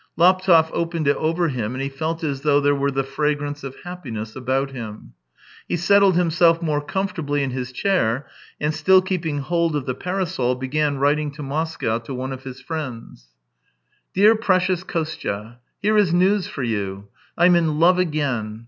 Laptev opened it over him. and he felt as though there were the fragrance of happiness about him. He settled himself more comfortably in his chair, and still keeping hold of the parasol, began writing to Moscow to one of his friends: 192 THE TALES OF TCHEHOV " Dear prfxious Kostya, " Here is news for you: I'm in love again